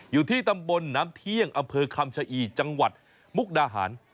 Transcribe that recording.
อยู่ที่ตำบลน้ำเที่ยงอำเภอคำชะอีจังหวัดมุกดาหาร